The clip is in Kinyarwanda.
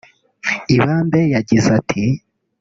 Ibambe yagize ati